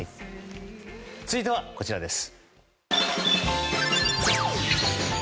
続いては、こちらです。